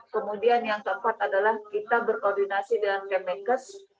kemudian yang keempat adalah kita berkoordinasi dengan kemenkes